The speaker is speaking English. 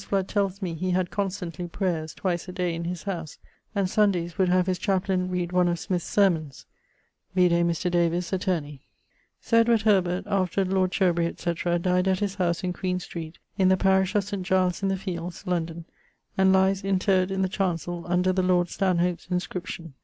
Fludd tells me he had constantly prayers twice a day in his howse, and Sundayes would have his chaplayne read one of Smyth's sermons. Vide Mr. Davys, attorney. Sir Edward Herbert, afterward lord Cherbery, etc., dyed at his house, in Queen street, in the parish of St. Giles in the fields, London, and lies interred in the chancell, under the lord Stanhope's inscription.